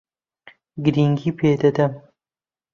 گرنگی پێ دەدەم.